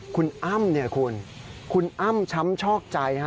คุณอ้ำเนี่ยคุณคุณอ้ำช้ำชอกใจฮะ